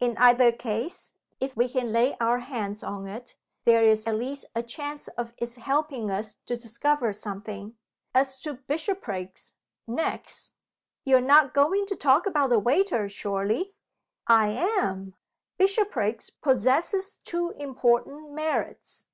In either case, if we can lay our hands on it, there is at least a chance of its helping us to discover something. As to Bishopriggs, next " "You're not going to talk about the waiter, surely?" "I am! Bishopriggs possesses two important merits.